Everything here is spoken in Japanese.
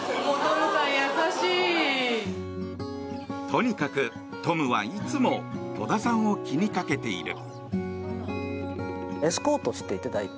とにかくトムはいつも戸田さんを気にかけている。